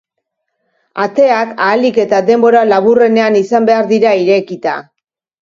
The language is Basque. Ateak ahalik eta denbora laburrenean izan behar dira irekita.